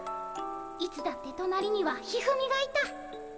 いつだってとなりには一二三がいた。